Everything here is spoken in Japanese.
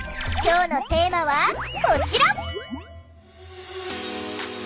今日のテーマはこちら！